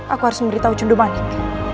aku harus memberitahu cendumanik